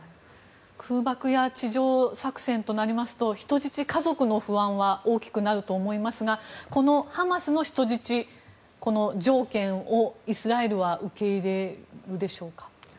空爆や地上作戦となりますと人質家族の不安は大きくなると思いますがこのハマスの人質、条件をイスラエルは受け入れるでしょうか。